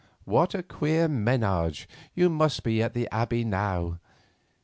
What a queer ménage you must be at the Abbey now!